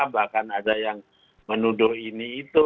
bahkan ada yang menuduh ini itu